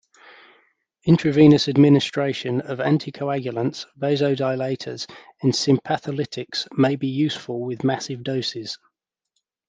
Intravenous administration of anticoagulants, vasodilators, and sympatholytics may be useful with massive doses.